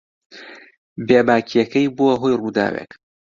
بێباکییەکەی بووە هۆی ڕووداوێک.